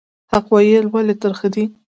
حق ویل ولې ترخه دي؟